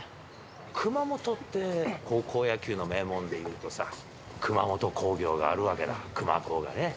熊本って、高校野球の名門で言うとさ、熊本工業があるわけだ、熊工がね。